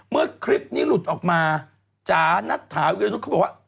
เมื่อคลิปนี้หลุดออกมาจ๋านักถามอีกนิดหนึ่งเขาบอกว่า